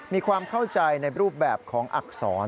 มีความเข้าใจในรูปแบบของอักษร